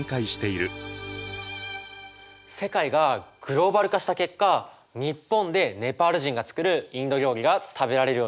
世界がグローバル化した結果日本でネパール人が作るインド料理が食べられるようになったんだね。